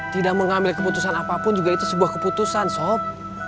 tidak mengambil keputusan apapun juga itu sebuah keputusan soal